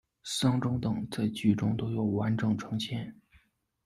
丧钟等在剧中都完整呈现。